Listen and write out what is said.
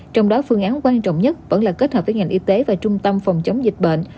trong đó phương án quan trọng nhất vẫn là kết hợp với ngành y tế và trung tâm phòng chống dịch bệnh